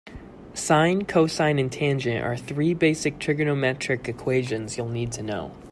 Sine, cosine and tangent are three basic trigonometric equations you'll need to know.